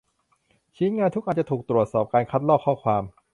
ชิ้นงานทุกอันจะถูกตรวจสอบการคัดลอกข้อความ